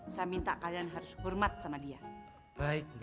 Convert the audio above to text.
saya minta kalian harus hormat sama dia